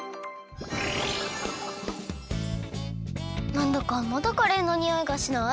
なんだかまだカレーのにおいがしない？